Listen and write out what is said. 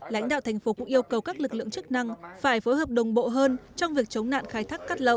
lãnh đạo thành phố cũng yêu cầu các lực lượng chức năng phải phối hợp đồng bộ hơn trong việc chống nạn khai thác cát lậu